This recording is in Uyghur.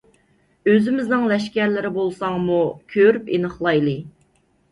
ئۆزىمىزنىڭ لەشكەرلىرى بولساڭمۇ، كۆرۈپ ئېنىقلايلى.